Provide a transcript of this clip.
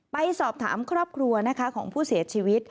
ไปสอบถามครอบครัวนะคะของผู้เสียชีวิต